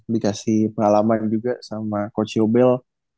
dikasih pengalaman juga sama coach yobel